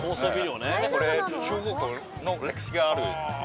これ中国の歴史がある。